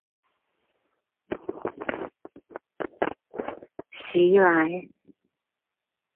襲來！